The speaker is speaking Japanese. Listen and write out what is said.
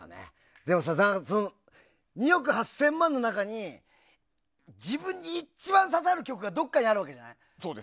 でも、２億８０００万の中に自分に一番刺さる曲がどこかにあるわけじゃない。